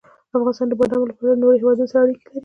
افغانستان د بادامو له پلوه له نورو هېوادونو سره اړیکې لري.